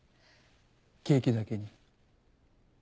ケーキだけに。